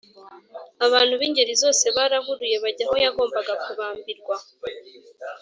abantu b’ingeri zose barahuruye bajya aho yagombaga kubambirwa